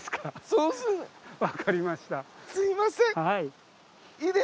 はい。